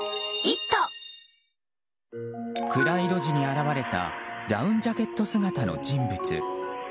暗い路地に現れたダウンジャケット姿の人物。